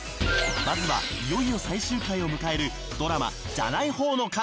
まずはいよいよ最終回を迎えるドラマ。